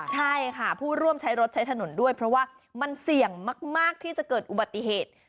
ใช่ค่ะผู้ร่วมใช้รถใช้ถนนด้วยเพราะว่ามันเสี่ยงมากที่จะเกิดอุบัติเหตุ